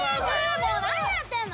もう何やってんの？